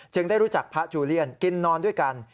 ได้รู้จักพระจูเลียนกินนอนด้วยกัน